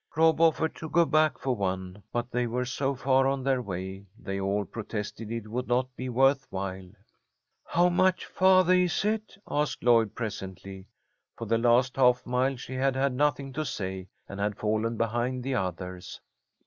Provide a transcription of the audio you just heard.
Rob offered to go back for one, but they were so far on their way they all protested it would not be worth while. "How much farthah is it?" asked Lloyd, presently. For the last half mile she had had nothing to say, and had fallen behind the others.